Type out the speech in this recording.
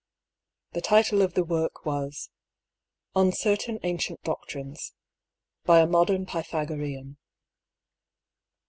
The title of the work was :" On Certain Ancient Doctrines. By a Modem Pythagorean."